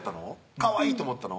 かわいいと思ったの？